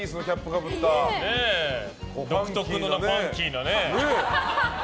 独特のファンキーなね。